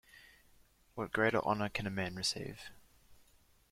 What greater honor can a man receive?